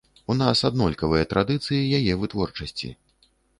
У нас аднолькавыя традыцыі яе вытворчасці.